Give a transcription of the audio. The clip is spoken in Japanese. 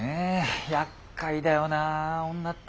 やっかいだよな女って。